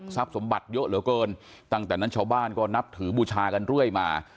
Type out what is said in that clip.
สมบัติเยอะเหลือเกินตั้งแต่นั้นชาวบ้านก็นับถือบูชากันเรื่อยมา